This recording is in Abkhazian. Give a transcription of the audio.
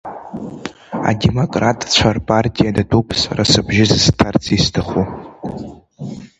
Адемократцәа рпартиа датәуп сара сыбжьы зысҭарц исҭаху.